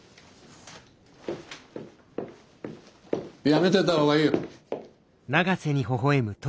やめといた方がいいよ。